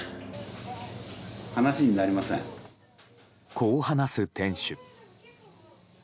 こう話す店主。